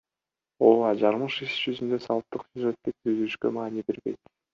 Ооба, Жармуш иш жүзүндө салттык сюжеттик түзүлүшкө маани бербейт.